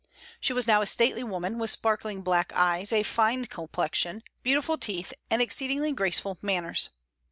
She was now a stately woman, with sparkling black eyes, a fine complexion, beautiful teeth, and exceedingly graceful manners.